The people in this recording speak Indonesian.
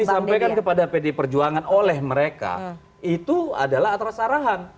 pertama sekali kepada pdi perjuangan oleh mereka itu adalah atas arahan